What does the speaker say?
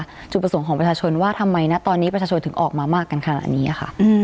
จุดประสงค์ของประชาชนว่าทำไมนะตอนนี้ประชาชนถึงออกมามากกันขนาดนี้ค่ะ